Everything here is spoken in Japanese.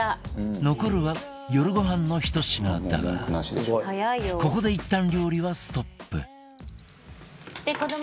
残るは夜ごはんの１品だがここでいったん料理はストップ